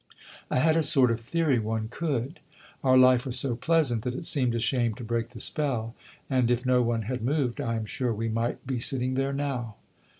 "I had a sort of theory one could. Our life was so pleasant that it seemed a shame to break the spell, and if no one had moved I am sure we might be sitting there now."